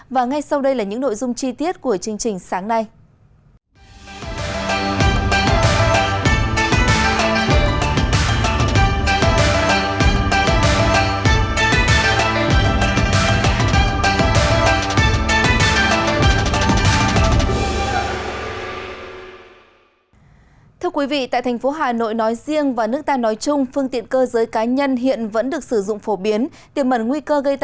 và ngay sau đây là những nội dung chi tiết của chương trình sáng nay